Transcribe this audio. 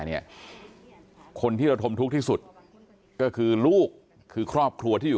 นางมอนก็บอกว่า